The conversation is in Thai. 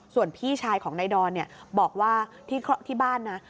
ส่วนพี่ชายของนายดอนบอกว่าที่บ้านนะ